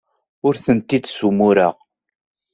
Ur tent-id-ssumureɣ.